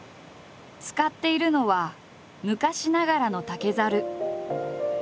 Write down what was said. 使っているのは昔ながらの竹ざる。